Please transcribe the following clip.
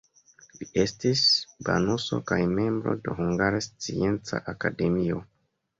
Li estis banuso kaj membro de Hungara Scienca Akademio.